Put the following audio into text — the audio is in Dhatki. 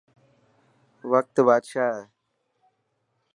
وقت بادشاهه هي.